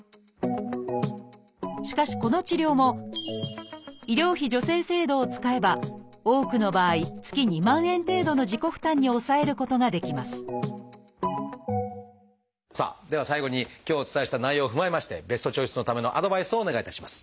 しかしこの治療も医療費助成制度を使えば多くの場合月２万円程度の自己負担に抑えることができますさあでは最後に今日お伝えした内容を踏まえましてベストチョイスのためのアドバイスをお願いいたします。